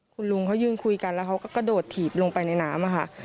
คุณลุงเขายืนคุยกันแล้วเขาก็กระโดดถีบลงไปในน้ำค่ะ